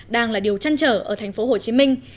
đang là điều chăn trở ở thành phố hồ chí minh